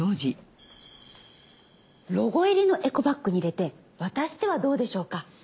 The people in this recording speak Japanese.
ロゴ入りのエコバッグに入れて渡してはどうでしょうか？